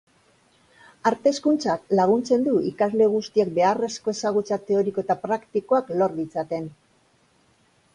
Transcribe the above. Gainera, gerraren jainkoa da, eskandinaviar mito ugariren bidez, garaipenak ekartzen zituena bezala agertuz.